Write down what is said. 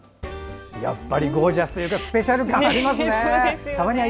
ゴージャスというかスペシャル感ありますね。